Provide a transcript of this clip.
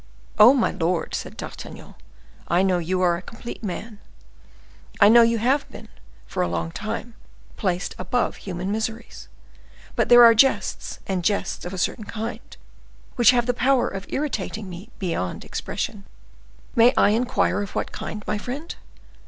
"Oh, my lord," said D'Artagnan, "I know you are a complete man; I know you have been, for a long time, placed above human miseries; but there are jests and jests of a certain kind, which have the power of irritating me beyond expression." "May I inquire what kind, my friend?"